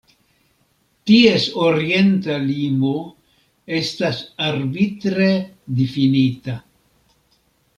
Ties orienta limo estas arbitre difinita.